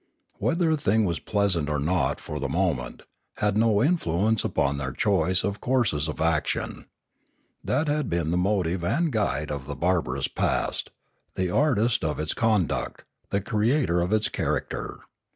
Whether a thing was pleasant or not for the moment, had no influence upon their choice of courses of action. That had been the motive and guide of the barbarous past, the artist of its conduct, the creator of its charac ter.